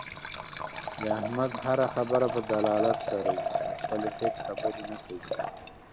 د احمد هر خبره په دلالت سره وي. له خپلې خېټې خبرې نه کوي.